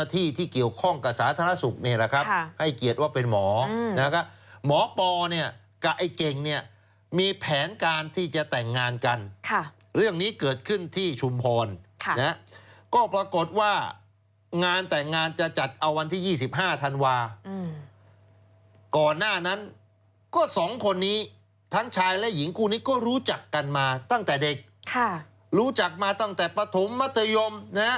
ที่ที่เกี่ยวข้องกับสาธารณสุขนี่แหละครับให้เกียรติว่าเป็นหมอนะครับหมอปอเนี่ยกับไอ้เก่งเนี่ยมีแผนการที่จะแต่งงานกันเรื่องนี้เกิดขึ้นที่ชุมพรนะฮะก็ปรากฏว่างานแต่งงานจะจัดเอาวันที่๒๕ธันวาก่อนหน้านั้นก็สองคนนี้ทั้งชายและหญิงคู่นี้ก็รู้จักกันมาตั้งแต่เด็กรู้จักมาตั้งแต่ปฐมมัธยมนะฮะ